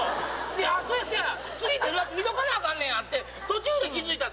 であっそやそや次くるやつ見とかなあかんねやって途中で気付いた。